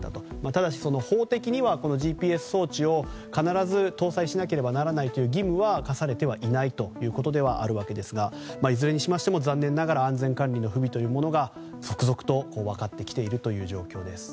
ただし、法的にはＧＰＳ装置を必ず搭載しなければならないという義務は課されていないということではあるわけですがいずれにしても残念ながら安全管理の不備が続々と分かってきてる状況です。